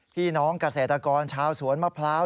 พี่น้องเกษตรกรชาวสวนมะพร้าว